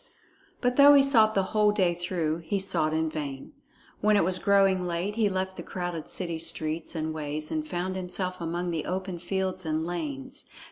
But though he sought the whole day through, he sought in vain. When it was growing late, he left the crowded city streets and ways and found himself among the open fields and lanes.